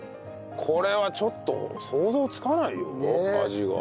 これはちょっと想像つかないよ味が。